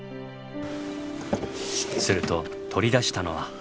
すると取り出したのは。